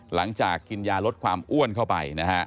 หลังจากกินยาลดความอ้วนเข้าไปนะฮะ